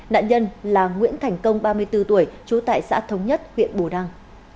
nạn nhân là nguyễn thành công ba mươi bốn tuổi trú tại xã thống nhất huyện bù đăng